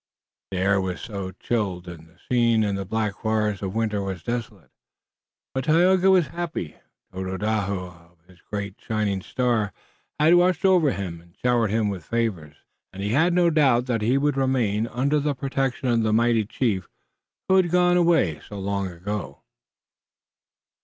The air was chill and the scene in the black forest of winter was desolate, but Tayoga was happy. Tododaho on his great shining star had watched over him and showered him with favors, and he had no doubt that he would remain under the protection of the mighty chief who had gone away so long ago.